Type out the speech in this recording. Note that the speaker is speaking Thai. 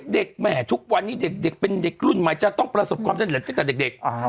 เด็กแม่ทุกวันนี้เด็กเป็นเด็กรุ่นหมายจะต้องประสบความเต้นเหล็กเต้นแต่เด็ก